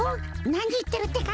なにいってるってか？